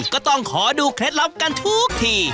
ก็ต้องขอดูเคล็ดลับกันทุกที